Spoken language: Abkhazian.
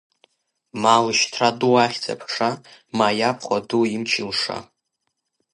Ма лышьҭра ду ахьӡ-аԥша, Ма иабхәа ду имч-илша…